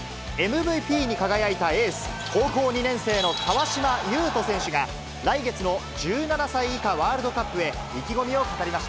ＭＶＰに輝いたエース、高校２年生の川島悠翔選手が、来月の１７歳以下ワールドカップＵ１７